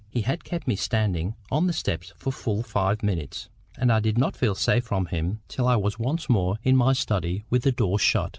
He had kept me standing on the steps for full five minutes, and I did not feel safe from him till I was once more in my study with the door shut.